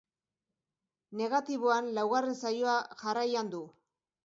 Negatiboan laugarren saioa jarraian du.